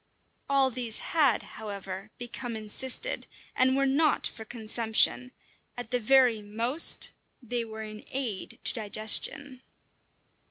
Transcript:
All these had, however, become encysted, and were not for consumption; at the very most they were an aid to digestion!